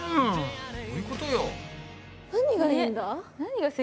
どういうことよ？